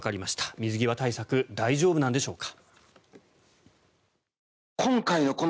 水際対策大丈夫なんでしょうか。